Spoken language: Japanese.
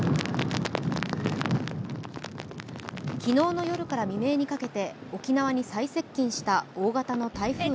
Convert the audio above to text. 昨日の夜から未明にかけて沖縄に最接近した台風２号。